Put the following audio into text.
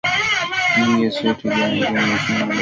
nyingi yasiyo na tija kwa nchi na maendeleo